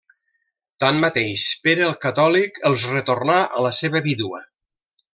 Tanmateix, Pere el Catòlic els retornà a la seva vídua.